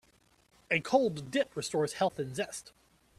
A cold dip restores health and zest.